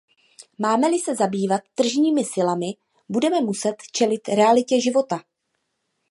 Máme-li se zabývat tržními silami, budeme muset čelit realitě života.